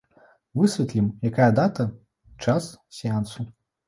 Высветлім, якая дата, час сеансу.